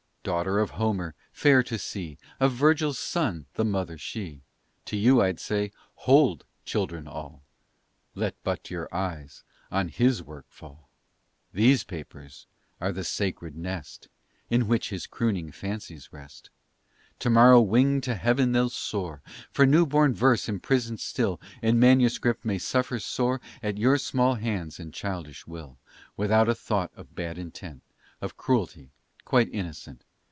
Daughter of Homer, fair to see, Of Virgil's son the mother she. To you I'd say, Hold, children all, Let but your eyes on his work fall; These papers are the sacred nest In which his crooning fancies rest; To morrow winged to Heaven they'll soar, For new born verse imprisoned still In manuscript may suffer sore At your small hands and childish will, Without a thought of bad intent, Of cruelty quite innocent.